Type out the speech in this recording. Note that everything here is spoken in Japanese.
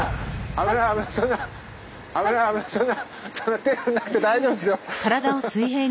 危ない危ないそんなそんな手振んなくて大丈夫ですよ。